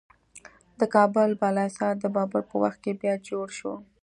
د کابل بالا حصار د بابر په وخت کې بیا جوړ شو